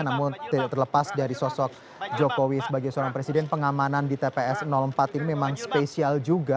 namun tidak terlepas dari sosok jokowi sebagai seorang presiden pengamanan di tps empat ini memang spesial juga